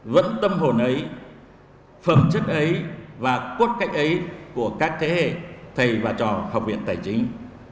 vẫn tâm hồn ấy phẩm chất ấy và quất cách ấy của các thế hệ thầy và trò học viện tài chính